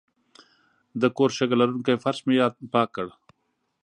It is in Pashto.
د کور شګه لرونکی فرش مې پاک کړ.